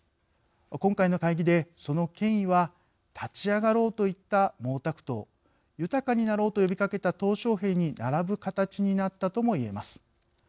今回の会議でその権威は立ち上がろうと言った毛沢東豊かになろうと呼びかけた小平に並ぶ形になったともいえます。